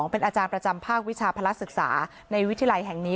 เป็นอาจารย์ประจำภาควิชาภาระศึกษาในวิทยาลัยแห่งนี้